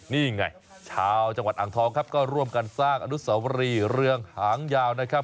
นี่ไงชาวจังหวัดอ่างทองครับก็ร่วมกันสร้างอนุสวรีเรืองหางยาวนะครับ